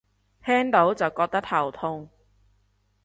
聽到就覺得頭痛